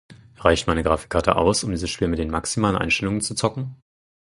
Reicht meine Grafikkarte aus, um dieses Spiel mit den maximalen Einstellungen zu zocken?